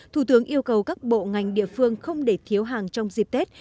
thủ tướng yêu cầu các bộ ngành địa phương không để thiếu hàng trong dịp tết